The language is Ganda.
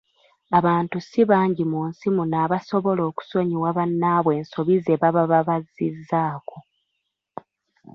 Abantu si bangi mu nsi muno abasobola okusonyiwa bannaabwe ensobi ze baba babazzizzaako.